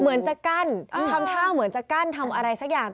เหมือนจะกั้นทำท่าเหมือนจะกั้นทำอะไรสักอย่าง